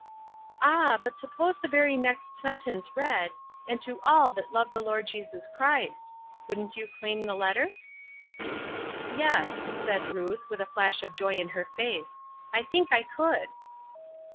'"" Ah ! but suppose the very next sentence read, 'And to all that love the Lord Jesus Christ,' wouldn't you claim the letter ?"" Yes," said Ruth, with a flash of joy in her face, " I think I could."